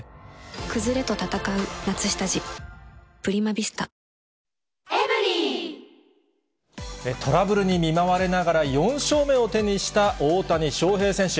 「ビオレ」トラブルに見舞われながら、４勝目を手にした大谷翔平選手。